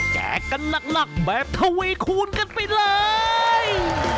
แกะกันนักแบบทะเวคูณกันไปเลย